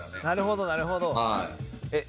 なるほどなるほど。